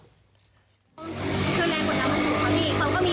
คือแรงกฎน้ำเป็นคนมี